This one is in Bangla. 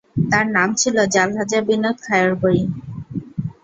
তার নাম ছিল জালহাযা বিনত খায়বরী।